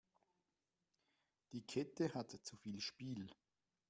Die Kette hat zu viel Spiel.